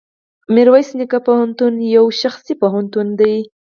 ميرويس نيکه پوهنتون يو خصوصي پوهنتون دی.